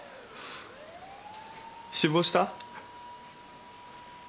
死亡した？